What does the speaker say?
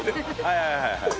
はいはいはいはい。